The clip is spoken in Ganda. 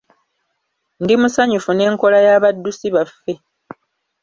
Ndi musanyufu n'enkola y abaddusi baffe.